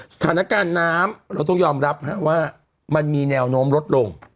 สถานการณ์น้ำเราต้องยอมรับว่ามันมีแนวโน้มลดลง